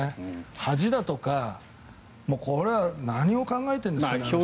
恥だとかこれは何を考えてるんですかね。